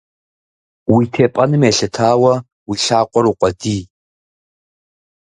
Уи тепӏэным елъытауэ, уи лъакъуэр укъуэдий.